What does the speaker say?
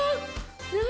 何？